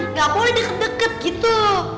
nggak boleh deket deket gitu